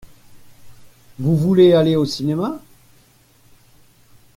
Vous voulez aller au cinéma ?